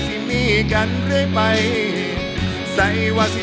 ขอบคุณมาก